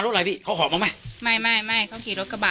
โอ้ยเพิ่ง